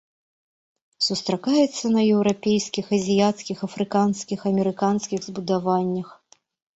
Сустракаецца на еўрапейскіх, азіяцкіх, афрыканскіх, амерыканскіх збудаваннях.